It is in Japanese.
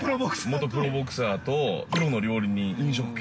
◆元プロボクサーとプロの料理人、飲食系。